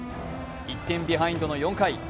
１点ビハインドの４回。